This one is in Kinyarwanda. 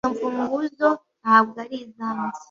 Izo mfunguzo ntabwo ari izanjye